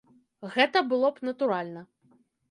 Гэта было б натуральна.